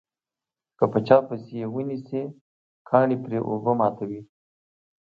که په چا پسې یې ونسي کاڼي پرې اوبه ماتوي.